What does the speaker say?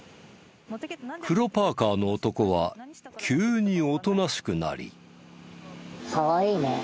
黒パーカーの男は急におとなしくなり。